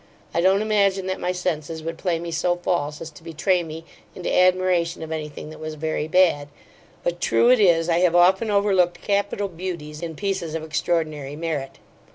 I don't imagine that my senses would play me so false, as to betray me into admiration of any thing that was very bad; but, true it is, I have often overlooked capital beauties, in pieces of extraordinary merit.